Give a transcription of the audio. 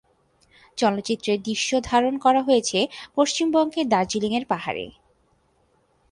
চলচ্চিত্রের দৃশ্যধারণ করা হয়েছে পশ্চিমবঙ্গের দার্জিলিং-এর পাহাড়ে।